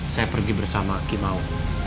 saya pergi bersama kimau